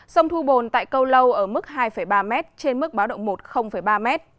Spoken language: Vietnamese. sông thu bồn tại câu lâu ở mức hai ba m trên mức báo động một ba m